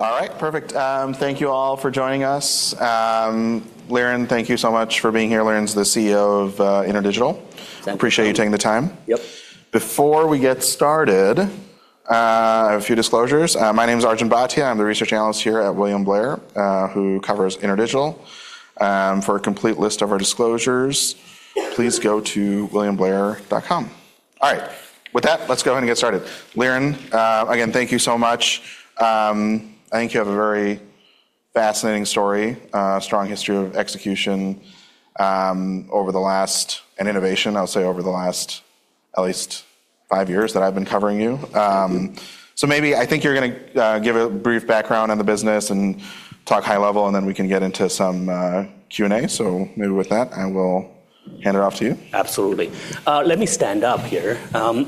All right, perfect. Thank you all for joining us. Liren, thank you so much for being here. Liren is the CEO of InterDigital. Thank you. Appreciate you taking the time. Yep. Before we get started, I have a few disclosures. My name is Arjun Bhatia. I'm the research analyst here at William Blair, who covers InterDigital. For a complete list of our disclosures, please go to williamblair.com. All right. With that, let's go ahead and get started. Liren, again, thank you so much. I think you have a very fascinating story, a strong history of execution, and innovation, I would say, over the last at least five years that I've been covering you. Thank you. I think you're going to give a brief background on the business and talk high level, and then we can get into some Q&A. With that, I will hand it off to you. Absolutely. Let me stand up here.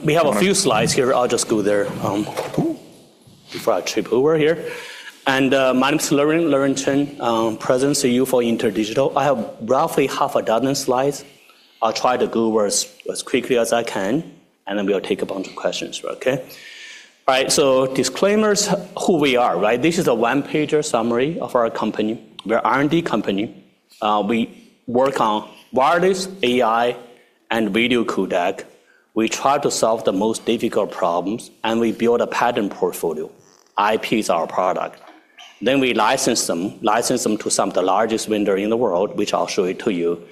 We have a few slides here. I'll just go there. Before I trip over here. My name is Liren. Liren Chen. President and CEO for InterDigital. I have roughly half a dozen slides. I'll try to go over as quickly as I can, and then we'll take a bunch of questions. Okay? All right. Disclaimers, who we are, right? This is a one-pager summary of our company. We're a R&D company. We work on wireless, AI, and video codec. We try to solve the most difficult problems, and we build a patent portfolio. IP is our product. We license them to some of the largest vendors in the world, which I'll show to you.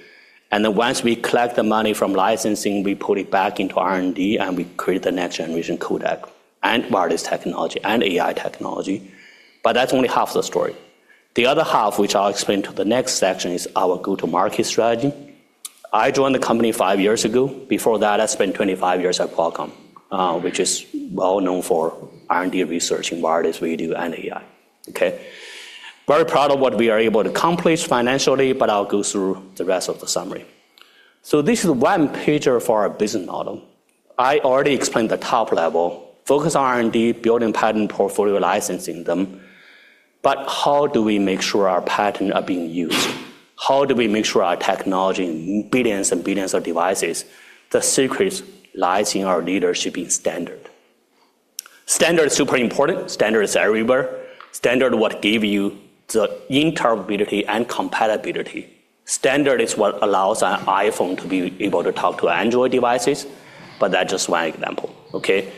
Once we collect the money from licensing, we put it back into R&D, and we create the next generation codec and wireless technology and AI technology. That's only half the story. The other half, which I'll explain to the next section, is our go-to-market strategy. I joined the company five years ago. Before that, I spent 25 years at Qualcomm, which is well known for R&D research in wireless, video, and AI. Okay? Very proud of what we are able to accomplish financially, but I'll go through the rest of the summary. This is one pager for our business model. I already explained the top level. Focus on R&D, building patent portfolio, licensing them. How do we make sure our patents are being used? How do we make sure our technology in billions and billions of devices? The secret lies in our leadership in standard. Standard is super important. Standard is everywhere. Standard what give you the interoperability and compatibility. Standard is what allows an iPhone to be able to talk to Android devices, but that's just one example. Okay?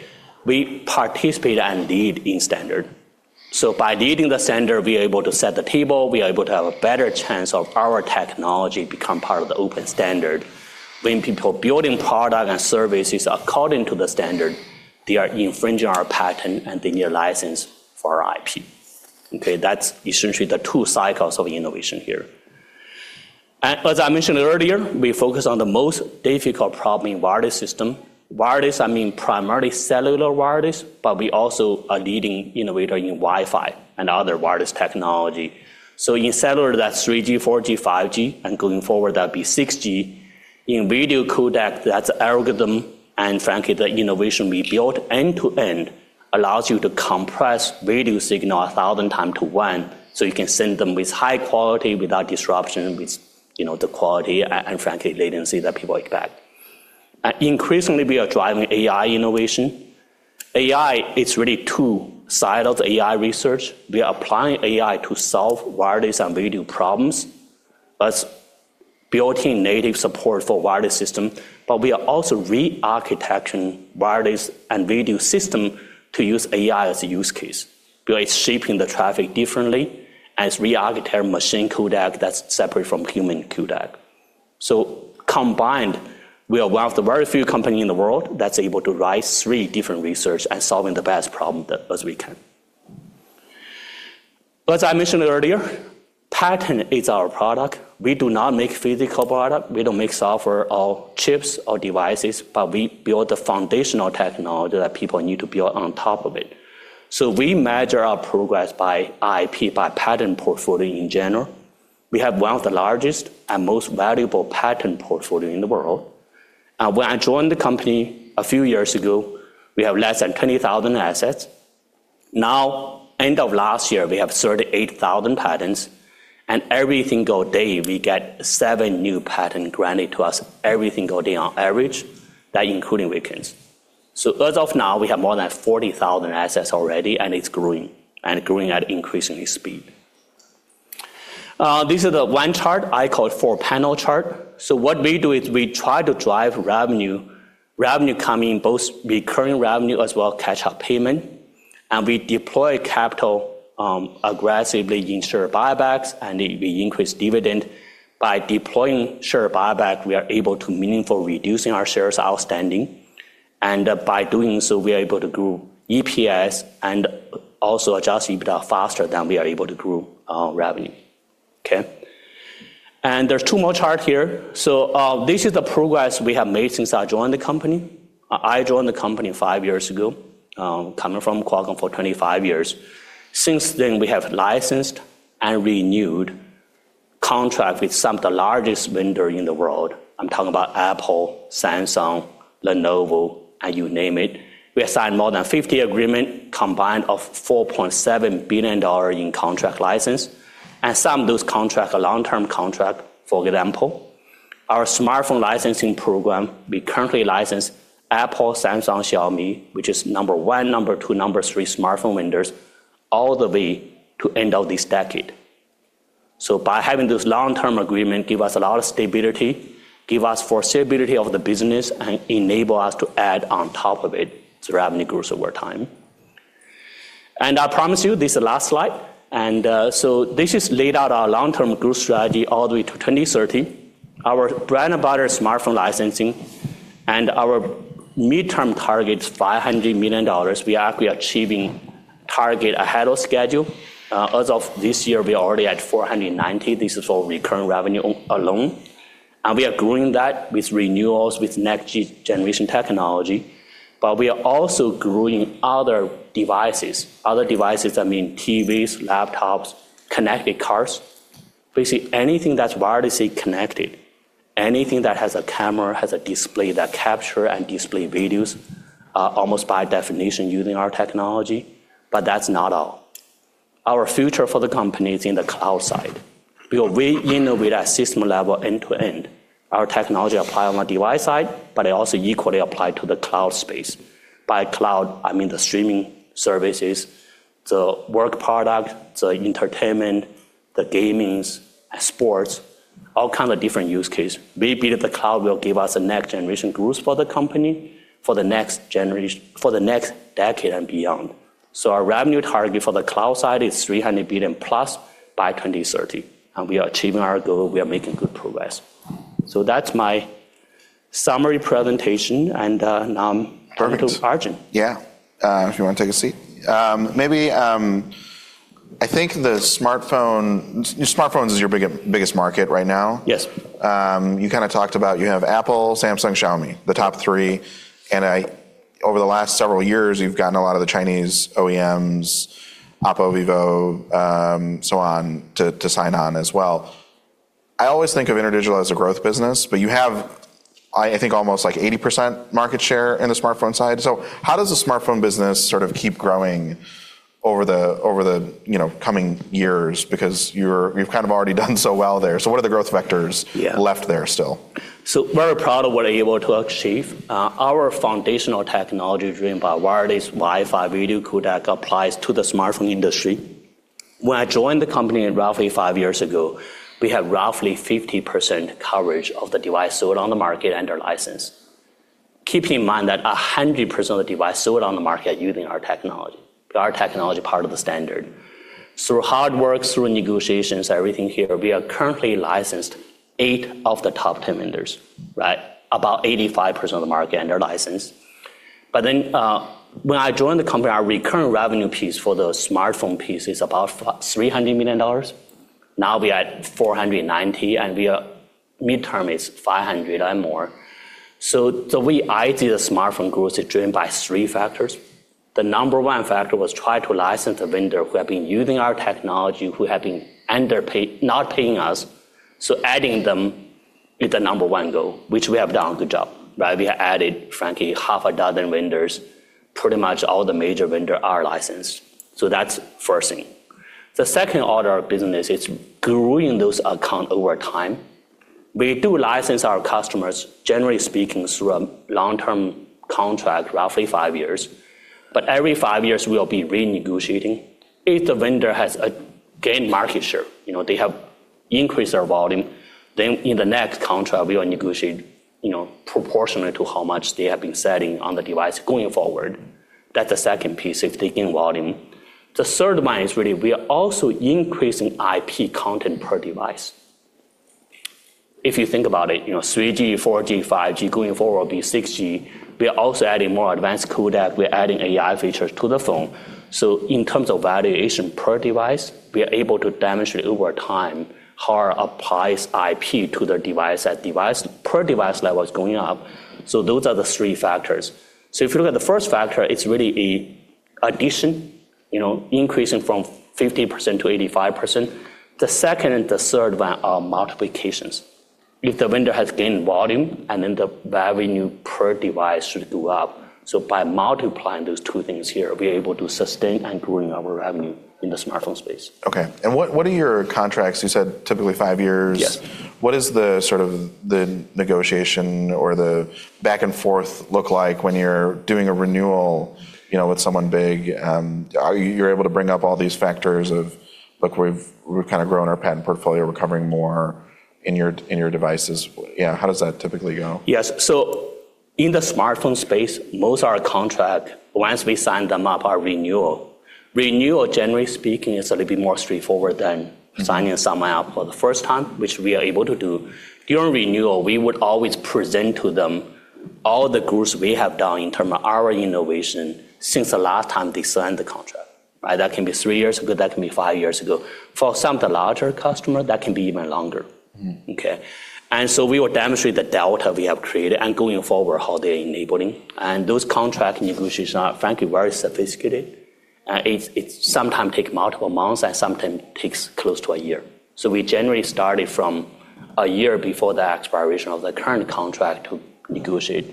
We participate and lead in standard. By leading the standard, we are able to set the table, we are able to have a better chance of our technology become part of the open standard. When people building product and services according to the standard, they are infringing our patent, and they need a license for our IP. Okay, that's essentially the two cycles of innovation here. As I mentioned earlier, we focus on the most difficult problem in wireless system. Wireless, I mean primarily cellular wireless, but we also are leading innovator in Wi-Fi and other wireless technology. In cellular, that's 3G, 4G, 5G, and going forward, that'd be 6G. In video codec, that's the algorithm. Frankly, the innovation we built end to end allows you to compress video signal 1,000 times to 1, so you can send them with high quality, without disruption, with the quality and frankly, latency that people expect. Increasingly, we are driving AI innovation. AI, it's really two sides of the AI research. We are applying AI to solve wireless and video problems that's built in native support for wireless system, but we are also re-architecting wireless and video system to use AI as a use case. We are shaping the traffic differently as we architect machine codec that's separate from human codec. Combined, we are one of the very few companies in the world that's able to drive three different research and solving the best problem as we can. As I mentioned earlier, patent is our product. We do not make physical product. We don't make software or chips or devices, but we build the foundational technology that people need to build on top of it. We measure our progress by IP, by patent portfolio in general. We have one of the largest and most valuable patent portfolio in the world. When I joined the company a few years ago, we have less than 20,000 assets. End of last year, we have 38,000 patents, and every single day, we get seven new patent granted to us every single day on average, that including weekends. As of now, we have more than 40,000 assets already, and it's growing, and growing at increasing speed. This is the one chart I call four panel chart. What we do is we try to drive revenue coming both recurring revenue as well catch-up payment, and we deploy capital aggressively in share buybacks, and we increase dividend. By deploying share buyback, we are able to meaningfully reducing our shares outstanding, and by doing so, we are able to grow EPS and also adjusted EBITDA faster than we are able to grow our revenue. Okay? There's two more chart here. This is the progress we have made since I joined the company. I joined the company five years ago, coming from Qualcomm for 25 years. Since then, we have licensed and renewed contract with some of the largest vendors in the world. I'm talking about Apple, Samsung, Lenovo, and you name it. We have signed more than 50 agreement combined of $4.7 billion in contract license, and some of those contracts are long-term contract, for example, our smartphone licensing program, we currently license Apple, Samsung, Xiaomi, which is number one, number two, number three smartphone vendors, all the way to end of this decade. By having this long-term agreement give us a lot of stability, give us foreseeability of the business, and enable us to add on top of it as revenue grows over time. I promise you, this is the last slide. This has laid out our long-term growth strategy all the way to 2030. Our bread and butter is smartphone licensing, and our midterm target is $500 million. We are actually achieving target ahead of schedule. As of this year, we are already at $490 million. This is all recurring revenue alone. We are growing that with renewals, with next generation technology. We are also growing other devices. Other devices, I mean TVs, laptops, connected cars. Basically, anything that's wirelessly connected, anything that has a camera, has a display that capture and display videos, are almost by definition using our technology. That's not all. Our future for the company is in the cloud side, because we innovate at system level end to end. Our technology apply on the device side, but it also equally apply to the cloud space. By cloud, I mean the streaming services, the work product, the entertainment, the gamings, sports, all kind of different use case. We believe the cloud will give us a next generation growth for the company for the next decade and beyond. Our revenue target for the cloud side is $300 million plus by 2030, and we are achieving our goal. We are making good progress. That's my summary presentation, and now over to Arjun. Yeah. If you want to take a seat. I think the smartphones is your biggest market right now. Yes. You talked about you have Apple, Samsung, Xiaomi, the top three. Over the last several years, you've gotten a lot of the Chinese OEMs, Oppo, Vivo, so on, to sign on as well. I always think of InterDigital as a growth business, but you have, I think, almost 80% market share in the smartphone side. How does the smartphone business keep growing over the coming years? Because you've kind of already done so well there. What are the growth vectors left there still? Very proud of what we are able to achieve. Our foundational technology driven by wireless Wi-Fi video codec applies to the smartphone industry. When I joined the company roughly five years ago, we had roughly 50% coverage of the device sold on the market under license. Keeping in mind that 100% of the device sold on the market using our technology, our technology part of the standard. Through hard work, through negotiations, everything here, we are currently licensed eight of the top 10 vendors. About 85% of the market under license. When I joined the company, our recurrent revenue piece for the smartphone piece is about $300 million. Now we are at $490 million, and midterm is $500 million and more. The way I see the smartphone growth is driven by three factors. The number one factor was try to license a vendor who have been using our technology, who have been not paying us. Adding them is the number one goal, which we have done a good job. We have added, frankly, half a dozen vendors. Pretty much all the major vendor are licensed. That's first thing. The second order of business is growing those account over time. We do license our customers, generally speaking, through a long-term contract, roughly five years. Every five years, we will be renegotiating. If the vendor has gained market share, they have increased their volume, then in the next contract, we will negotiate proportionate to how much they have been selling on the device going forward. That's the second piece, if they gain volume. The third one is really we are also increasing IP content per device. If you think about it, 3G, 4G, 5G, going forward will be 6G. We are also adding more advanced codec. We're adding AI features to the phone. In terms of valuation per device, we are able to demonstrate over time how our applied IP to the device at per device level is going up. Those are the three factors. If you look at the first factor, it's really a addition, increasing from 50% to 85%. The second and the third one are multiplications. If the vendor has gained volume, and then the revenue per device should go up. By multiplying those two things here, we are able to sustain and growing our revenue in the smartphone space. Okay. What are your contracts? You said typically five years. Yes. What is the negotiation or the back and forth look like when you're doing a renewal with someone big? You're able to bring up all these factors of, look, we've grown our patent portfolio. We're covering more in your devices. How does that typically go? Yes. In the smartphone space, most our contract, once we sign them up, are renewal. Renewal, generally speaking, is a little bit more straightforward than signing someone up for the first time, which we are able to do. During renewal, we would always present to them all the growth we have done in terms of our innovation since the last time they signed the contract. That can be three years ago, that can be five years ago. For some of the larger customer, that can be even longer. We will demonstrate the data we have created and going forward how they're enabling. Those contract negotiations are, frankly, very sophisticated. It sometimes take multiple months and sometimes takes close to a year. We generally started from a year before the expiration of the current contract to negotiate.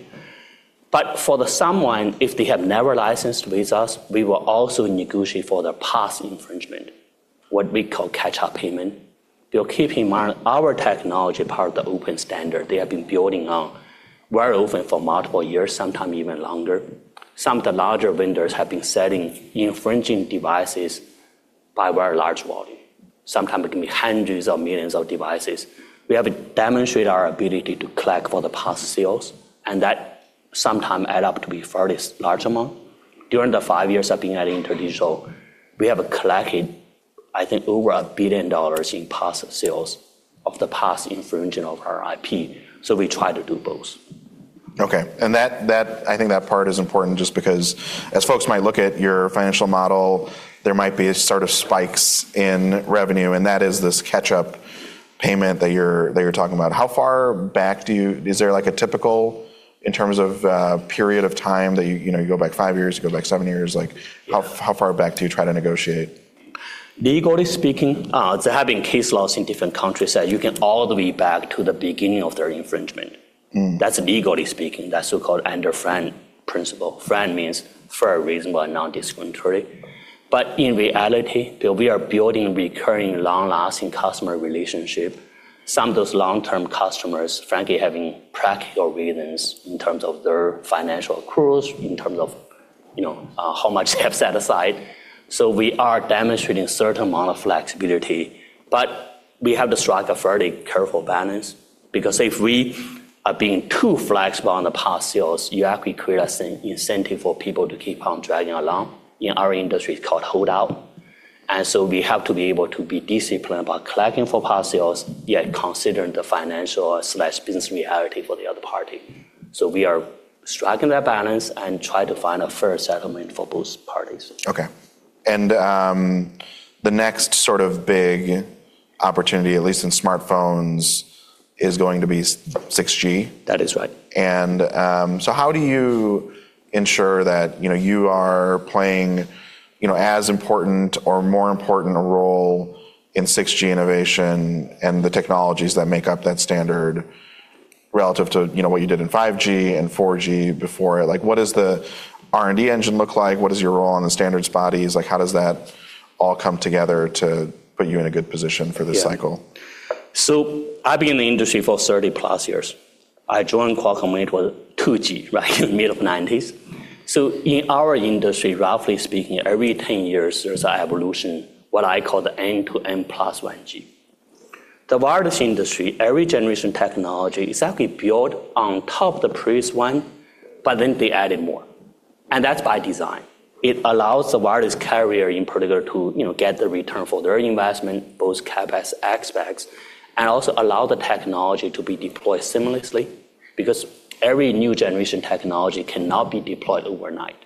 For someone, if they have never licensed with us, we will also negotiate for their past infringement, what we call catch-up payment. Keep in mind, our technology part of the open standard they have been building on very often for multiple years, sometimes even longer. Some of the larger vendors have been selling infringing devices by very large volume. Sometimes it can be hundreds of millions of devices. We have demonstrated our ability to collect for the past sales, and that sometimes add up to be fairly large amount. During the five years I've been at InterDigital, we have collected, I think, over $1 billion in past sales of the past infringement of our IP. We try to do both. Okay. I think that part is important just because as folks might look at your financial model, there might be sort of spikes in revenue, that is this catch-up payment that you're talking about. Is there a typical in terms of period of time that you go back five years, you go back seven years? How far back do you try to negotiate? Legally speaking, there have been case laws in different countries that you can all the way back to the beginning of their infringement. That's legally speaking. That so-called under FRAND principle. FRAND means Fair Reasonable Non-Discriminatory. In reality, we are building recurring long-lasting customer relationship. Some of those long-term customers, frankly, having practical reasons in terms of their financial accruals, in terms of how much they have set aside. We are demonstrating certain amount of flexibility. We have to strike a fairly careful balance because if we are being too flexible on the past sales, you actually create an incentive for people to keep on dragging along. In our industry, it's called holdout. We have to be able to be disciplined about collecting for past sales, yet considering the financial/business reality for the other party. We are striking that balance and try to find a fair settlement for both parties. Okay. The next sort of big opportunity, at least in smartphones, is going to be 6G? That is right. How do you ensure that you are playing as important or more important a role in 6G innovation and the technologies that make up that standard relative to what you did in 5G and 4G before it? What does the R&D engine look like? What is your role on the standards bodies? How does that all come together to put you in a good position for this cycle? I've been in the industry for 30-plus years. I joined Qualcomm when it was 2G, right in the middle of '90s. In our industry, roughly speaking, every 10 years, there's an evolution, what I call the N to N+1 G. The wireless industry, every generation technology exactly build on top of the previous one, they added more. That's by design. It allows the wireless carrier in particular to get the return for their investment, both CapEx aspects, allow the technology to be deployed seamlessly because every new generation technology cannot be deployed overnight.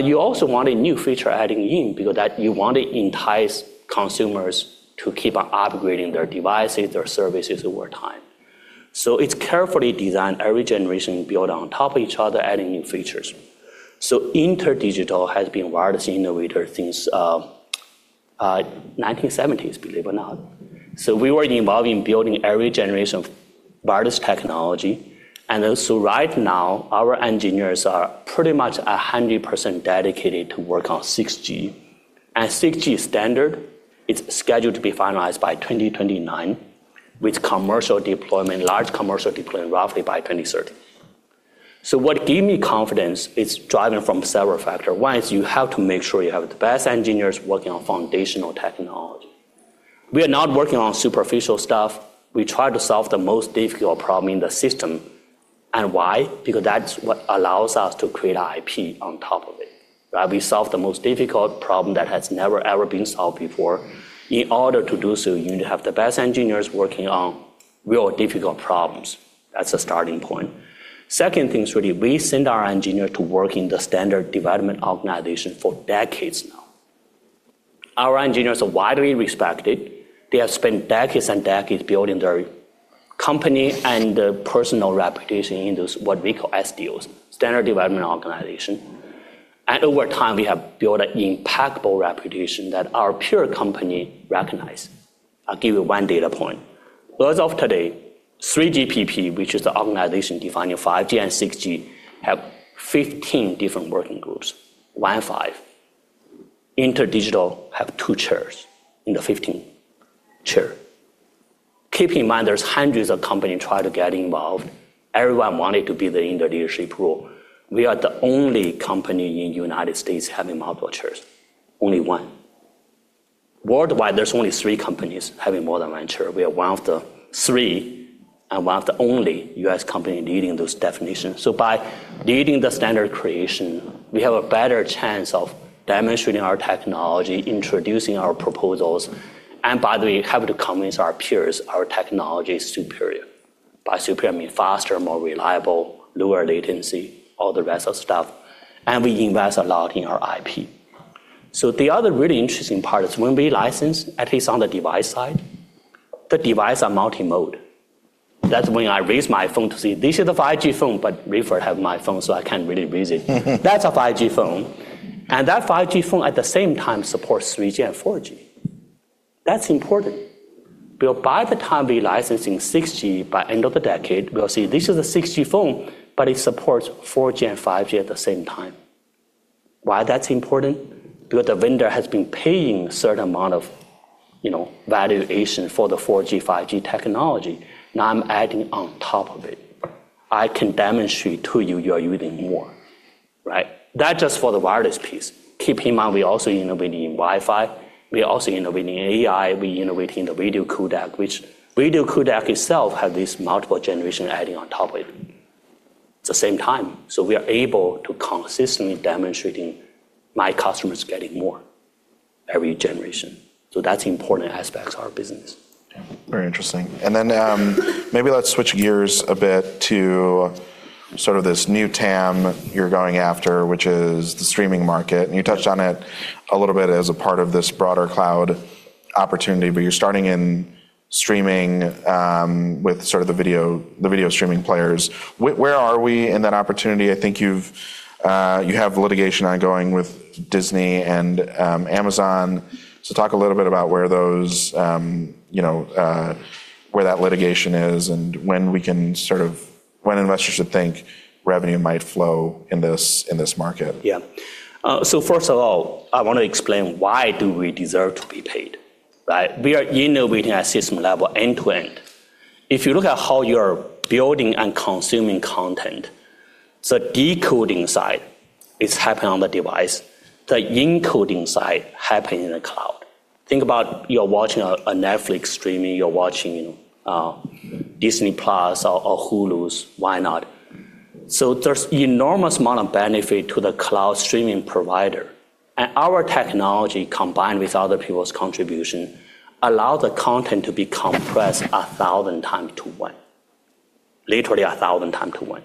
You also want a new feature adding in because you want to entice consumers to keep on upgrading their devices or services over time. It's carefully designed, every generation build on top of each other, adding new features. InterDigital has been wireless innovator since 1970s, believe it or not. We were involved in building every generation of wireless technology. Right now, our engineers are pretty much 100% dedicated to work on 6G. 6G standard, it's scheduled to be finalized by 2029, with large commercial deployment roughly by 2030. What give me confidence is driving from several factor. One is you have to make sure you have the best engineers working on foundational technology. We are not working on superficial stuff. We try to solve the most difficult problem in the system. Why? Because that's what allows us to create IP on top of it. We solve the most difficult problem that has never, ever been solved before. In order to do so, you need to have the best engineers working on real difficult problems. That's a starting point. Second thing is we send our engineer to work in the Standards Development Organizations for decades now. Our engineers are widely respected. They have spent decades building their company and their personal reputation in those what we call SDOs, Standards Development Organizations. Over time, we have built an impeccable reputation that our peer company recognize. I'll give you one data point. As of today, 3GPP, which is the organization defining 5G and 6G, have 15 different working groups. We have 5. InterDigital have two chairs in the 15 chair. Keep in mind, there's hundreds of company try to get involved. Everyone wanted to be the industry leadership role. We are the only company in the U.S. having multiple chairs. Only one. Worldwide, there's only three companies having more than one chair. We are one of the three and one of the only US company leading those definitions. By leading the standard creation, we have a better chance of demonstrating our technology, introducing our proposals, and by the way, have the companies, our peers, our technology is superior. By superior, I mean faster, more reliable, lower latency, all the rest of stuff. We invest a lot in our IP. The other really interesting part is when we license, at least on the device side, the device are multi-mode. That's when I raise my phone to say, "This is a 5G phone," but Raiford have my phone, so I can't really raise it. That's a 5G phone. That 5G phone, at the same time, supports 3G and 4G. That's important. By the time we're licensing 6G by end of the decade, we'll see this is a 6G phone, but it supports 4G and 5G at the same time. Why that's important? The vendor has been paying certain amount of valuation for the 4G, 5G technology. Now I'm adding on top of it. I can demonstrate to you are using more. That just for the wireless piece. Keep in mind, we also innovating in Wi-Fi. We are also innovating in AI. We innovate in the video codec, which video codec itself have this multiple generation adding on top of it at the same time. We are able to consistently demonstrating my customers getting more every generation. That's important aspects of our business. Very interesting. Then maybe let's switch gears a bit to sort of this new TAM you're going after, which is the streaming market. You touched on it a little bit as a part of this broader cloud opportunity, but you're starting in streaming with sort of the video streaming players. Where are we in that opportunity? I think you have litigation ongoing with Disney and Amazon. Talk a little bit about where that litigation is and when investors should think revenue might flow in this market. Yeah. First of all, I want to explain why do we deserve to be paid, right? We are innovating at system level end-to-end. If you look at how you are building and consuming content, the decoding side is happening on the device. The encoding side happen in the cloud. Think about you're watching a Netflix streaming, you're watching Disney+ or Hulu's. Why not? There's enormous amount of benefit to the cloud streaming provider. Our technology, combined with other people's contribution, allow the content to be compressed 1,000 times to one. Literally 1,000 times to one.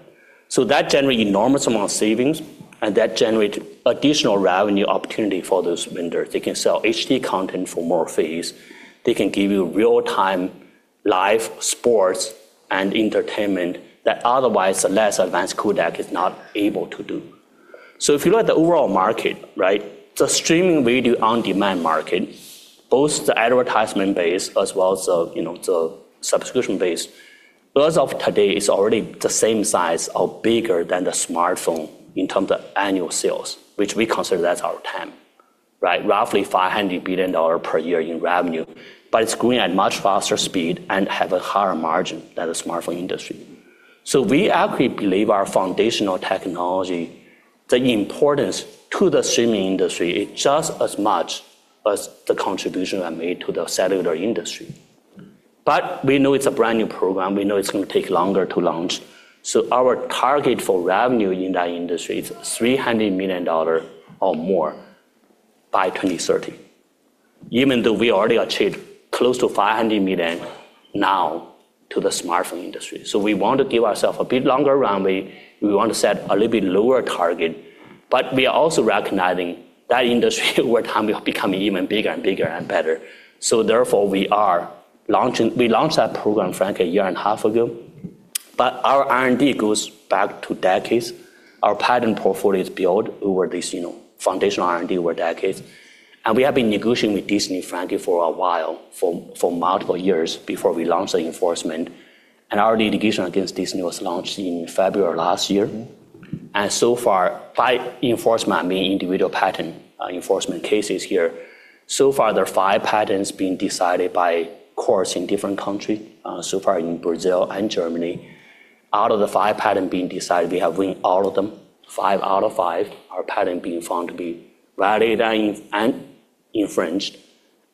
That generate enormous amount of savings and that generate additional revenue opportunity for those vendors. They can sell HD content for more fees. They can give you real-time live sports and entertainment that otherwise a less advanced codec is not able to do. If you look at the overall market, the streaming video on-demand market, both the advertisement-based as well as the subscription-based, as of today, is already the same size or bigger than the smartphone in terms of annual sales, which we consider that's our TAM. Roughly $500 billion per year in revenue, it's growing at much faster speed and have a higher margin than the smartphone industry. We actually believe our foundational technology, the importance to the streaming industry is just as much as the contribution I made to the cellular industry. We know it's a brand new program. We know it's going to take longer to launch. Our target for revenue in that industry is $300 million or more by 2030, even though we already achieved close to $500 million now to the smartphone industry. We want to give ourself a bit longer runway. We want to set a little bit lower target, but we are also recognizing that industry will become even bigger and bigger and better. Therefore, we launched that program, frankly, a year and a half ago. Our R&D goes back to decades. Our patent portfolio is built over this foundational R&D over decades. We have been negotiating with Disney, frankly, for a while, for multiple years before we launched the enforcement. Our litigation against Disney was launched in February of last year. So far, five enforcement, meaning individual patent enforcement cases here. So far, there are five patents being decided by courts in different country. So far in Brazil and Germany. Out of the five patent being decided, we have win all of them. Five out of five are patent being found to be valid and infringed,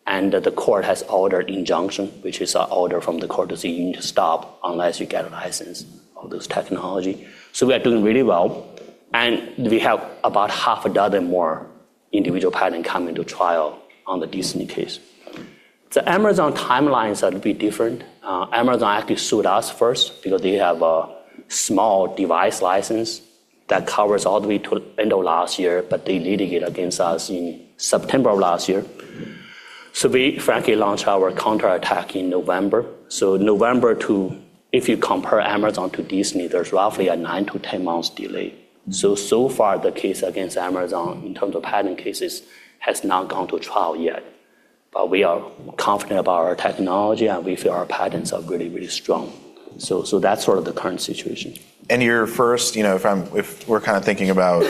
and the court has ordered injunction, which is an order from the court to say you need to stop unless you get a license of this technology. We are doing really well, and we have about half a dozen more individual patent coming to trial on the Disney case. The Amazon timelines are a bit different. Amazon actually sued us first because they have a small device license that covers all the way to end of last year, but they litigate against us in September of last year. We frankly launched our counterattack in November. If you compare Amazon to Disney, there's roughly a 9 to 10 months delay. So far the case against Amazon in terms of patent cases has not gone to trial yet. We are confident about our technology, and we feel our patents are really, really strong. That's sort of the current situation. If we're kind of thinking about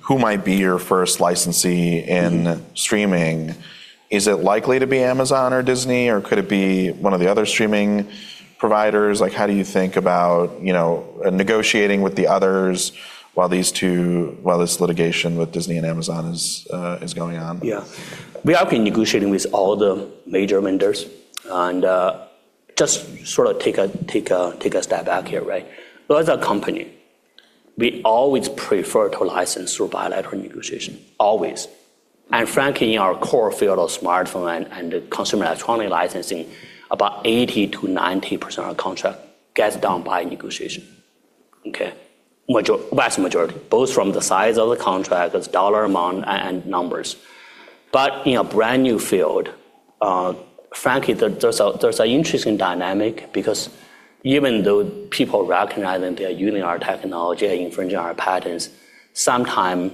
who might be your first licensee in streaming, is it likely to be Amazon or Disney, or could it be one of the other streaming providers? How do you think about negotiating with the others while this litigation with Disney and Amazon is going on? Yeah. We are actually negotiating with all the major vendors and just sort of take a step back here. As a company, we always prefer to license through bilateral negotiation. Always. Frankly, in our core field of smartphone and consumer electronic licensing, about 80%-90% of contract gets done by negotiation. Okay. Vast majority. Both from the size of the contract as dollar amount and numbers. In a brand new field, frankly, there's an interesting dynamic because even though people recognize that they are using our technology and infringing our patents, sometimes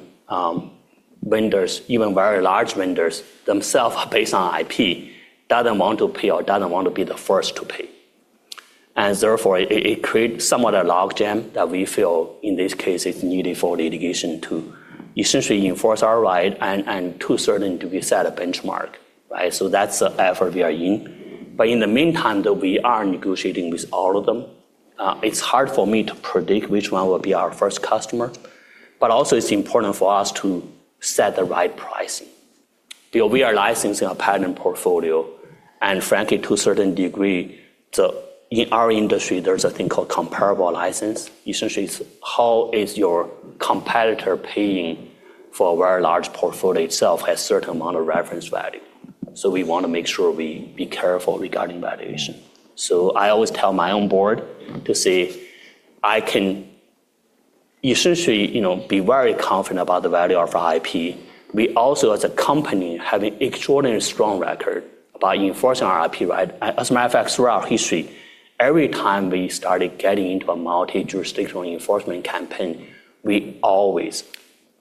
vendors, even very large vendors themselves, based on IP, doesn't want to pay or doesn't want to be the first to pay. Therefore, it creates somewhat a logjam that we feel, in this case, it's needed for litigation to essentially enforce our right and to a certain degree, set a benchmark. That's the effort we are in. In the meantime, though we are negotiating with all of them, it's hard for me to predict which one will be our first customer. Also, it's important for us to set the right pricing. We are licensing a patent portfolio, and frankly, to a certain degree, so in our industry, there's a thing called comparable license. Essentially, it's how is your competitor paying for a very large portfolio itself has certain amount of reference value. We want to make sure we be careful regarding valuation. I always tell my own board to say, I can essentially be very confident about the value of our IP. We also, as a company, have an extraordinarily strong record about enforcing our IP right. As a matter of fact, throughout history, every time we started getting into a multi-jurisdictional enforcement campaign, we always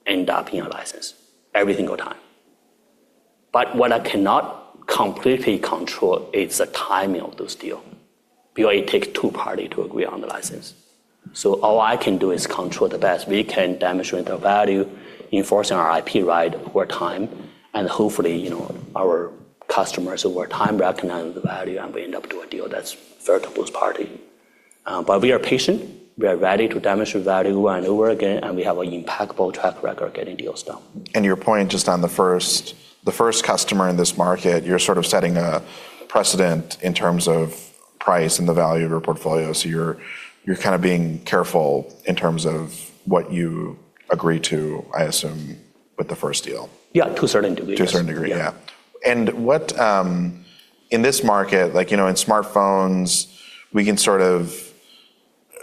end up in a license, every single time. What I cannot completely control is the timing of this deal. It takes two parties to agree on the license. All I can do is control the best we can, demonstrate the value, enforcing our IP right over time, and hopefully, our customers, over time, recognize the value, and we end up doing a deal that's fair to both party. We are patient. We are ready to demonstrate value over and over again, and we have an impeccable track record getting deals done. Your point just on the first customer in this market, you're sort of setting a precedent in terms of price and the value of your portfolio. You're kind of being careful in terms of what you agree to, I assume, with the first deal. Yeah, to a certain degree. To a certain degree. Yeah. Yeah. In this market, like in smartphones, we can sort of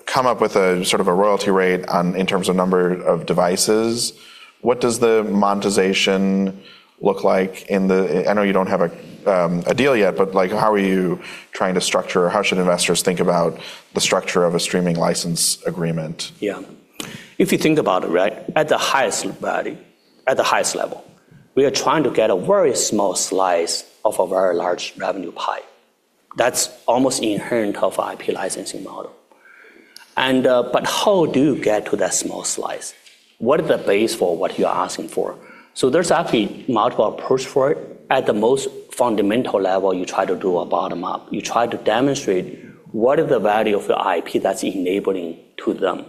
come up with a royalty rate in terms of number of devices. What does the monetization look like in the-- I know you don't have a deal yet, but how are you trying to structure or how should investors think about the structure of a streaming license agreement? Yeah. If you think about it, right, at the highest value, at the highest level, we are trying to get a very small slice of a very large revenue pie. That's almost inherent of IP licensing model. How do you get to that small slice? What is the base for what you are asking for? There's actually multiple approach for it. At the most fundamental level, you try to do a bottom up. You try to demonstrate what is the value of the IP that's enabling to them,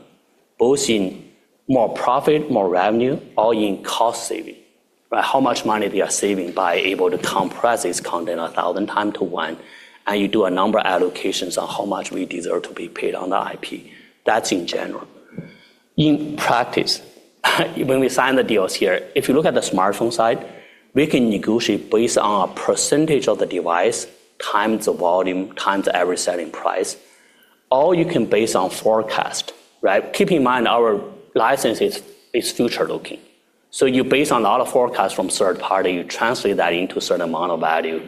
both in more profit, more revenue, or in cost saving. How much money they are saving by able to compress this content 1,000 times to one, and you do a number allocations on how much we deserve to be paid on the IP. That's in general. In practice, when we sign the deals here, if you look at the smartphone side, we can negotiate based on a percentage of the device, times the volume, times the average selling price. You can base on forecast, right? Keep in mind, our license is future-looking. You base on all the forecasts from third-party, you translate that into a certain amount of value,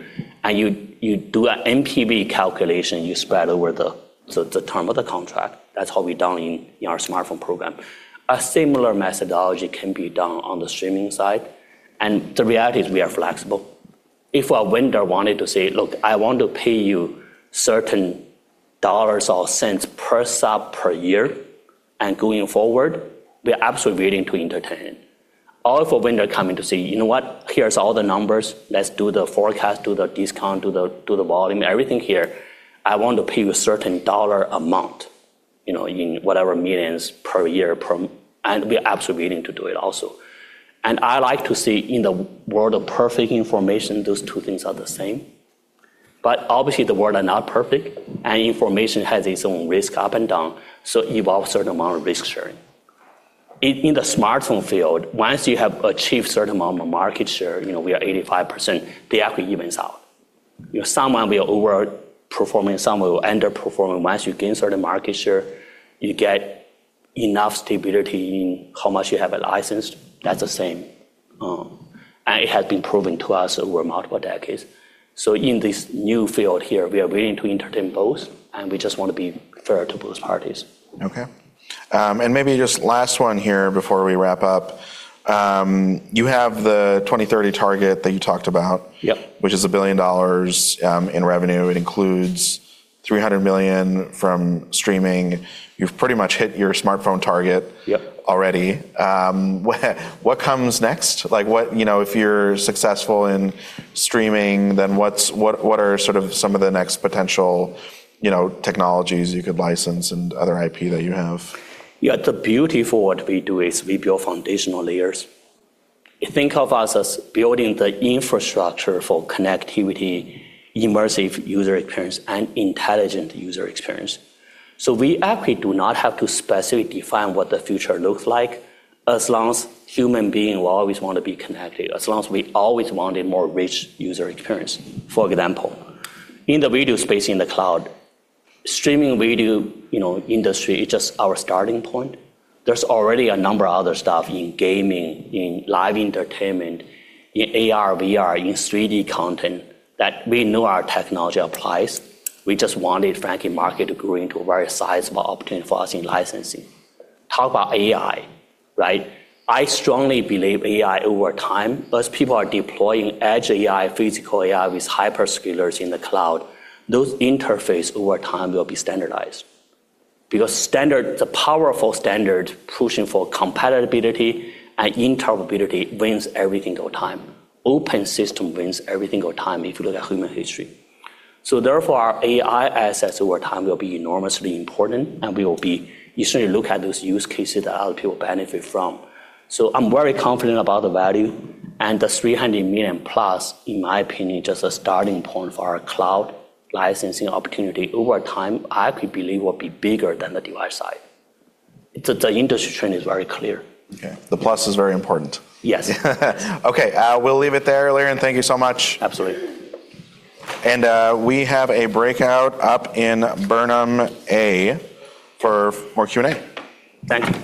and you do a NPV calculation, you spread over the term of the contract. That's how we've done in our smartphone program. A similar methodology can be done on the streaming side, and the reality is we are flexible. If a vendor wanted to say, 'Look, I want to pay you certain dollars or cents per sub per year and going forward,' we are absolutely willing to entertain. If a vendor come in to say, 'You know what. Here's all the numbers. Let's do the forecast, do the discount, do the volume, everything here. I want to pay you a certain dollar amount in whatever millions per year. We are absolutely willing to do it also. I like to say in the world of perfect information, those two things are the same. Obviously, the world are not perfect, and information has its own risk up and down. Involve certain amount of risk sharing. In the smartphone field, once you have achieved certain amount of market share, we are 85%, they actually evens out. Some will be over-performing, some will under-perform, and once you gain certain market share, you get enough stability in how much you have it licensed. That's the same. It has been proven to us over multiple decades. In this new field here, we are willing to entertain both, and we just want to be fair to both parties. Okay. Maybe just last one here before we wrap up. You have the 2030 target that you talked about. Yep which is $1 billion in revenue. It includes $300 million from streaming. You've pretty much hit your smartphone target. Yep already. What comes next? If you're successful in streaming, then what are sort of some of the next potential technologies you could license and other IP that you have? The beauty for what we do is we build foundational layers. Think of us as building the infrastructure for connectivity, immersive user experience, and intelligent user experience. We actually do not have to specifically define what the future looks like, as long as human beings will always want to be connected, as long as we always wanted more rich user experience. For example, in the video space, in the cloud, streaming video industry is just our starting point. There's already a number of other stuff in gaming, in live entertainment, in AR, VR, in 3D content that we know our technology applies. We just wanted, frankly, market to grow into a very sizable opportunity for us in licensing. Talk about AI, right? I strongly believe AI, over time, as people are deploying edge AI, physical AI with hyperscalers in the cloud, those interface over time will be standardized. Standard, the powerful standard pushing for compatibility and interoperability wins every single time. Open system wins every single time if you look at human history. Therefore, our AI assets over time will be enormously important, and you certainly look at those use cases that other people benefit from. I'm very confident about the value, and the $300 million plus, in my opinion, just a starting point for our cloud licensing opportunity. Over time, I actually believe will be bigger than the device side. The industry trend is very clear. Okay. The Plus is very important. Yes. Okay, we'll leave it there, Liren. Thank you so much. Absolutely. We have a breakout up in Burnham A for more Q&A. Thank you.